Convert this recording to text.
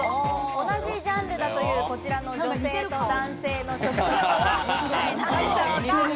同じジャンルだというこちらの女性と男性の職業は一体何でしょうか？